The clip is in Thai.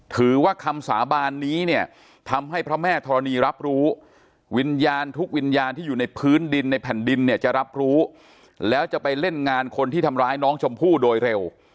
ถือว่าคำสาบานนี้เนี่ยทำให้พระแม่ธรณีรับรู้วิญญาณทุกวิญญาณที่อยู่ในพื้นดินในแผ่นดินเนี่ยจะรับรู้แล้วจะไปเล่นงานคนที่ทำร้ายน้องชมพู่โดยเร็ว